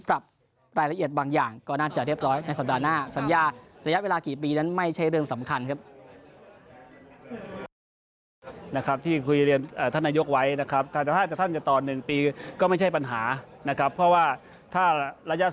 ปรับรายละเอียดบางอย่างก็น่าจะเรียบร้อย